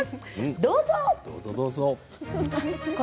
どうぞ！